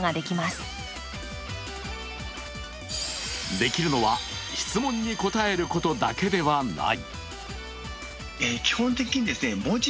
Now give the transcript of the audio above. できるのは質問に答えることだけではない。